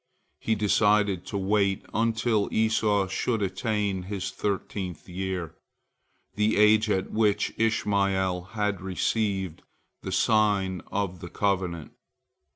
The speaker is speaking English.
He decided to wait until Esau should attain his thirteenth year, the age at which Ishmael had received the sign of the covenant.